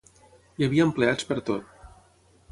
Hi havia empleats pertot.